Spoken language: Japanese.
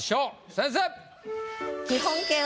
先生！